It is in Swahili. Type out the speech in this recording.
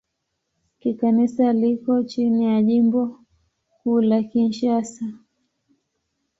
Kikanisa liko chini ya Jimbo Kuu la Kinshasa.